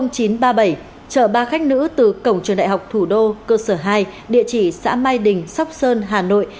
chợ ba khách nữ từ cổng trường đại học thủ đô cơ sở hai địa chỉ xã mai đình sóc sơn hà nội